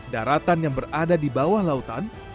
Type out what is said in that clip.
daratan yang berada di bawah lautan